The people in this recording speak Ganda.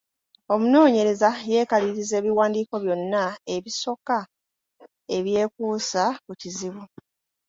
Omunoonyereza yeekaliriza ebiwandiiko byonna ebisoka ebyekuusa ku kizibu.